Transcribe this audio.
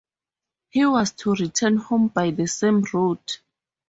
He was to return home by the same route.